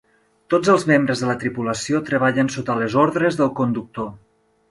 Tots els membres de la tripulació treballen sota les ordres del conductor.